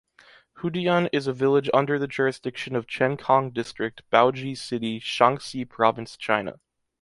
Hudian is a village under the jurisdiction of Chencang District, Baoji City, Shaanxi Province, China.